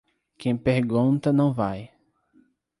Quem pergunta não vai.